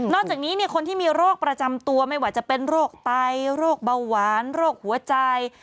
จากนี้คนที่มีโรคประจำตัวไม่ว่าจะเป็นโรคไตโรคเบาหวานโรคหัวใจ